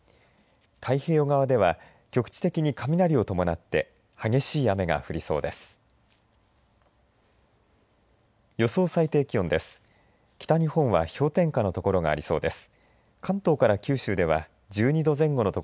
太平洋側では局地的に雷を伴って激しい雨が降りそうです。